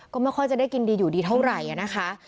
ก็ไม่ค่อยจะได้กินดีอยู่ดีเท่าไหร่นะคะ